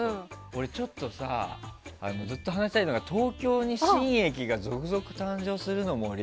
俺ちょっとさずっと話したいのが東京に新駅が続々誕生するの森。